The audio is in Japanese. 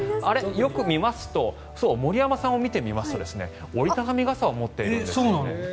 よく森山さんを見てみますと折り畳み傘を持っているんです。